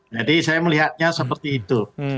jadi saya melihatnya seperti itu